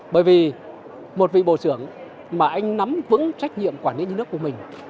bởi vì một vị bộ trưởng mà anh nắm vững trách nhiệm quản lý nhà nước của mình